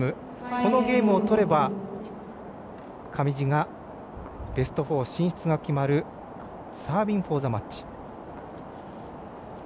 このゲームをとれば上地がベスト４進出が決まるサービングフォーザマッチ。